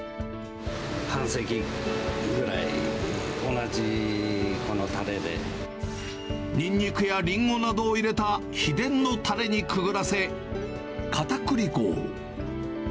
半世紀ぐらい、ニンニクやリンゴなどを入れた秘伝のたれにくぐらせ、かたくり粉を。